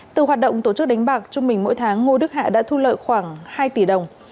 từ hoạt động tổ chức đánh bạc trung bình mỗi tháng ngô đức hạ đã thu lợi khoảng hai tỷ đồng